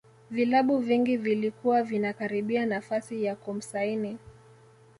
vilabu vingi vilikuwa vinakaribia nafasi ya kumsaini